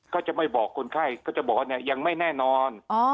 ก็จะไม่บอกคนไข้ก็จะบอกว่าเนี่ยยังไม่แน่นอน